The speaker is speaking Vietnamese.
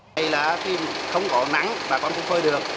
đây là khi không có nắng bà con cũng phơi được